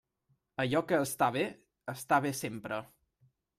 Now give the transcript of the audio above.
Allò que està bé, està bé sempre.